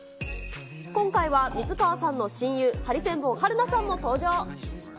今回は水川さんの親友、ハリセンボン・春菜さんも登場。